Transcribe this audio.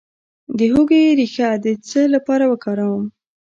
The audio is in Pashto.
د هوږې ریښه د څه لپاره وکاروم؟